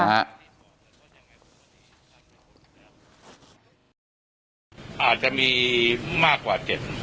อาจจะมีมากกว่า๗